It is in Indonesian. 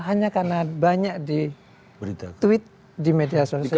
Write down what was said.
hanya karena banyak di tweet di media sosial